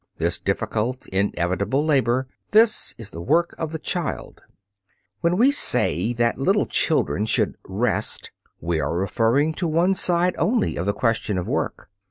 This difficult, inevitable labor, this is the "work of the child." When we say then that little children should rest, we are referring to one side only of the question of work.